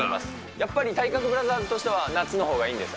やっぱり体格ブラザーズとしては夏のほうがいいんですか？